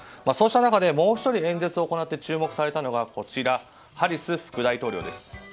そうした中で、もう１人演説を行って注目されたのがハリス副大統領です。